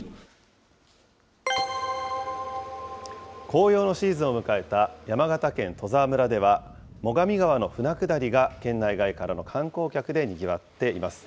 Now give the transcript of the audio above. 紅葉のシーズンを迎えた山形県戸沢村では、最上川の舟下りが県内外からの観光客でにぎわっています。